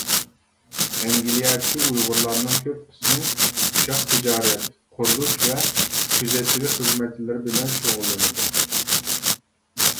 ئەنگلىيەدىكى ئۇيغۇرلارنىڭ كۆپ قىسمى ئۇششاق تىجارەت، قۇرۇلۇش ۋە كۆزەتچىلىك خىزمەتلىرى بىلەن شۇغۇللىنىدۇ.